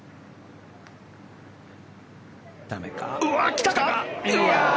来たか？